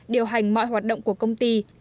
điều hành mọi hoạt động của công ty